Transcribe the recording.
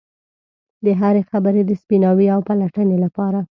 د هرې خبرې د سپیناوي او پلټنې لپاره.